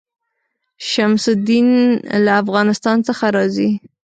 شمس الدین له افغانستان څخه راځي.